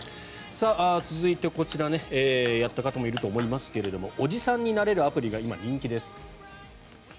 続いて、こちらやった方もいると思いますけどおじさんになれるアプリが今、人気です。